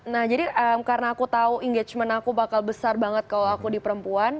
nah jadi karena aku tahu engagement aku bakal besar banget kalau aku di perempuan